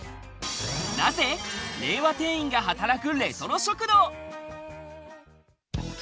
なぜ令和店員が働くレトロ食堂。